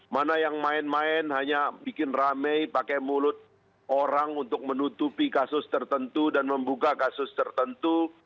mana yang main main hanya bikin rame pakai mulut orang untuk menutupi kasus tertentu dan membuka kasus tertentu